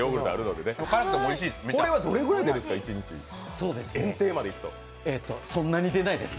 これは１日どんぐらい出るんですか？